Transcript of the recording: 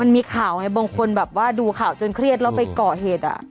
มันมีข่าวไงบางคนแบบว่าดูข่าวจนเครียดแล้วไปก่อเหตุ